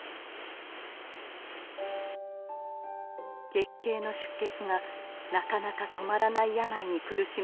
月経の出血がなかなか止まらない病に苦しむ女性がいました。